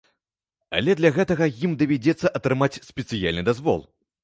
Але для гэтага ім давядзецца атрымаць спецыяльны дазвол.